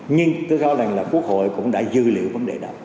nhưng tôi gọi là quốc hội cũng đã dư liệu vấn đề đó